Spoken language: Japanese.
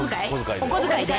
お小遣い？